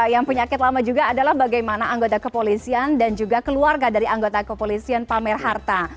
yang penyakit lama juga adalah bagaimana anggota kepolisian dan juga keluarga dari anggota kepolisian pamer harta